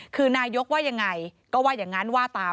คือนายกว่ายังไงก็ว่าอย่างนั้นว่าตาม